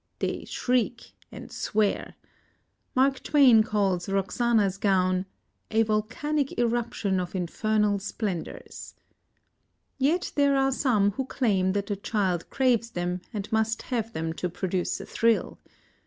(They "shriek" and "swear." Mark Twain calls Roxana's gown "a volcanic eruption of infernal splendors.") Yet there are some who claim that the child craves them, and must have them to produce a thrill.